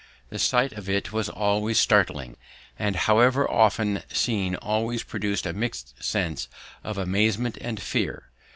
The sight of it was always startling, and however often seen always produced a mixed sense of amazement and fear.